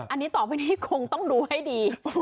อันนี้ต่อไปนี้คงต้องดูให้ดี